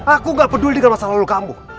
aku gak peduli dengan masa lalu kamu